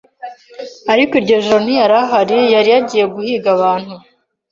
ariko iryo joro ntiyari ihariyari yagiye guhiga abantu